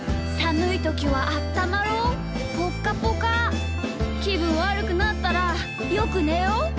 「さむいときはあったまろうぽっかぽか」「きぶんわるくなったらよくねよう！